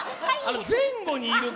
前後にいるか。